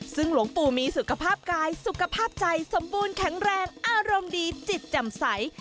ซึ่งหลวงปู่มีสุขภาพกายสุขภาพใจสมบูรณแข็งแรงอารมณ์ดีจิตจำใส